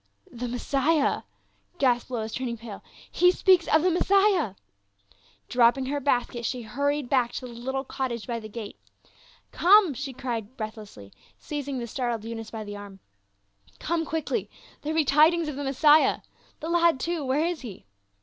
"The Messiah!" gasped Lois, turning pale, "he speaks of the Messiah !" Dropping her basket she hurried back to the little cottage by the gate. " Come," she cried breathlessly, seizing the startled Eunice by the arm. " Come quickly ; there be tidings of the Messiah ! The lad, too, where is he